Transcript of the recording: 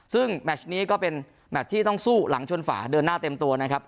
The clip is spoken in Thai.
ซึ่งแมชนี้ก็เป็นแมทที่ต้องสู้หลังชนฝาเดินหน้าเต็มตัวนะครับ